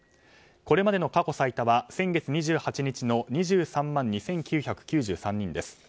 これまでの過去最多は先月２８日の２３万２９９３人です。